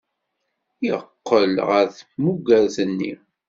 Yeqqel ɣer tmugert-nni.